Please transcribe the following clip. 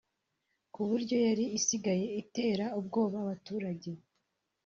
ku buryo yari isigaye itera ubwoba abaturage